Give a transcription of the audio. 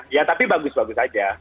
ya tapi bagus bagus saja